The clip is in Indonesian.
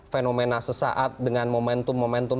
fenomena sesaat dengan momentum momentum